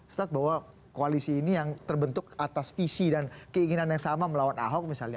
ustadz bahwa koalisi ini yang terbentuk atas visi dan keinginan yang sama melawan ahok misalnya